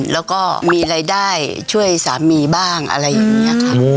แล้วก็มีรายได้ช่วยสามีบ้างอะไรอย่างนี้ค่ะ